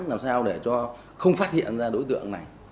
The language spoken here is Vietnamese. làm sao để cho không phát hiện ra đối tượng này